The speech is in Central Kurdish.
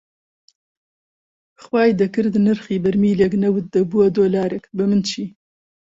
خوای دەکرد نرخی بەرمیلێک نەوت دەبووە دۆلارێک، بەمن چی